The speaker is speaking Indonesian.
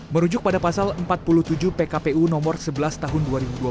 merujuk pada pasal empat puluh tujuh pkpu nomor sebelas tahun dua ribu dua puluh